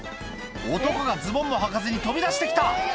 男がズボンもはかずに飛び出してきた！